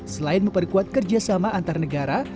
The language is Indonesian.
selain memperkuat kerjasama antar negara